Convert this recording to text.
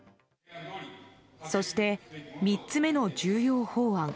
そして、３つ目の重要法案。